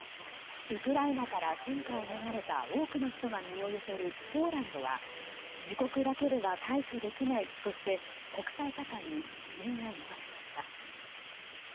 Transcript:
ウクライナから戦禍を逃れた多くの人が身を寄せるポーランドは自国だけでは対処できないとして国際社会に支援を求めました。